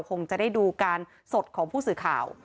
คงจะได้ดูการสดของผู้สื่อข่าว